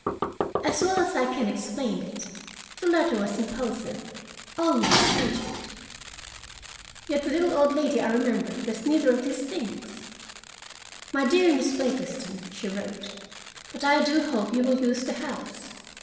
As well as I can explain it, the letter was impulsive, almost urgent. Yet the little old lady I remembered was neither of these things. "My dear Miss Blakiston," she wrote. "But I do hope you will use the house.